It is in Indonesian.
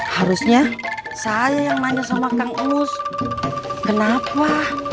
harusnya saya yang tanya kang uus kenapa